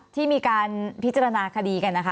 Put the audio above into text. ที่มีการพิจารณาคดีกันนะคะ